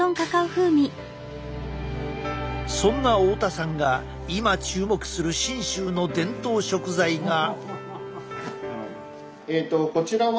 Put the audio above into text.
そんな太田さんが今注目する信州の伝統食材が。